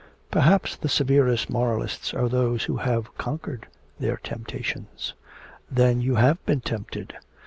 'Perhaps the severest moralists are those who have conquered their temptations.' 'Then you have been tempted!'